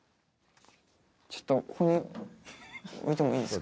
ちょっとここに置いてもいいですか？